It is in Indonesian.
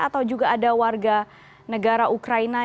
atau juga ada warga negara ukraina